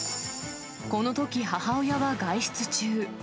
このとき、母親は外出中。